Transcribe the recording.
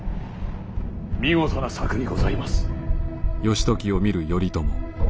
見事な策にございます。